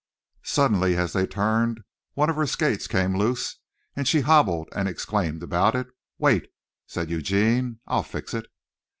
Suddenly, as they turned, one of her skates came loose and she hobbled and exclaimed about it. "Wait," said Eugene, "I'll fix it."